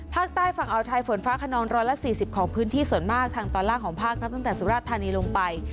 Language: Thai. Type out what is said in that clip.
ภาคใต้ฝั่งอาวไทยฝนฟ้าขนอง๑๔๐ของพื้นที่ส่วนมากทางตอนล่างของภาคนับตั้งแต่สุราชธานีลงไป